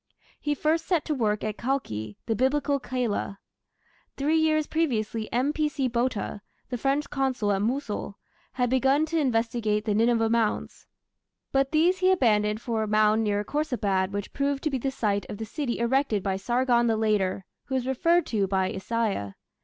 He first set to work at Kalkhi, the Biblical Calah. Three years previously M.P.C. Botta, the French consul at Mosul, had begun to investigate the Nineveh mounds; but these he abandoned for a mound near Khorsabad which proved to be the site of the city erected by "Sargon the Later", who is referred to by Isaiah.